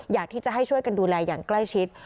อยากที่จะให้ช่วยกันดูแลอย่างใกล้ชิด